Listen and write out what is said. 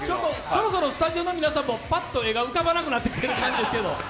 そろそろスタジオの皆さんもパッと浮かばなくなってきましたけど。